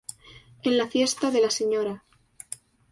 En La Fiesta de la Sra.